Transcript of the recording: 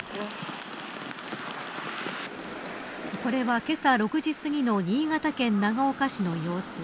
これは、けさ６時すぎの新潟県長岡市の様子。